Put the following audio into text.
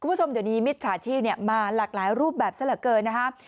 คุณผู้ชมเดี๋ยวนี้มิจฉาชีพมาหลากหลายรูปแบบซะเหลือเกินนะครับ